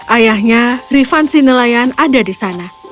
ayahnya rifan sinelayan ada di sana